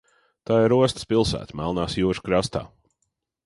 Tā ir ostas pilsēta Melnās jūras krastā.